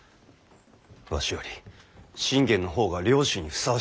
わしより信玄の方が領主にふさわしいと。